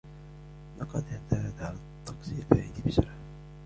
لقد اعتاد على الطقس البارد بسرعة.